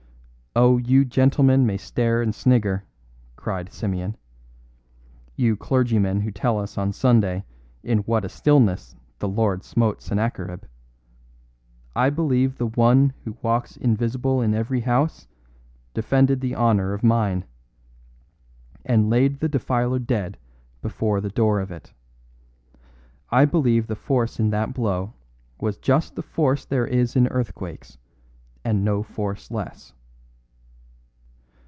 "Oh, you gentlemen may stare and snigger," cried Simeon; "you clergymen who tell us on Sunday in what a stillness the Lord smote Sennacherib. I believe that One who walks invisible in every house defended the honour of mine, and laid the defiler dead before the door of it. I believe the force in that blow was just the force there is in earthquakes, and no force less."